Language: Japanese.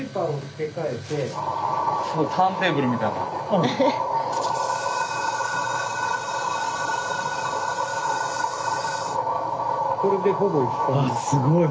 あすごい。